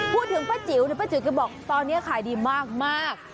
พูดถึงป้าจิ๋วเนี่ยป้าจิ๋วก็บอกตอนนี้ขายดีมาก